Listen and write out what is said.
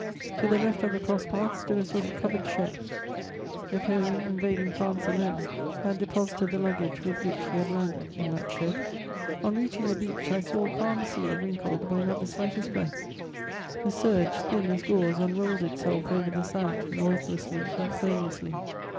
To the left of the cross path stood a sort of covered shed: Napoleon, invading France alone, had deposited the luggage with which he had landed in that shed. On reaching the beach, I saw a calm sea wrinkled by not the slightest breath; the surge, thin as gauze, unrolled itself over the sand noiselessly and foamlessly.